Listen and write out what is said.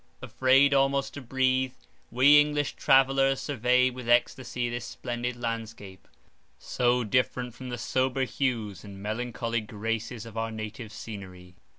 Afraid almost to breathe, we English travellers surveyed with extasy this splendid landscape, so different from the sober hues and melancholy graces of our native scenery.